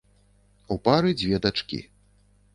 У пары дзве дачкі.